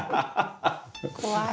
怖い。